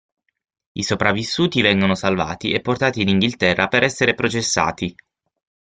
I sopravvissuti vengono salvati e portati in Inghilterra per essere processati.